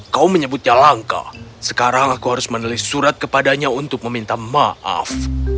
kau menyebutnya langka sekarang aku harus menulis surat kepadanya untuk meminta maaf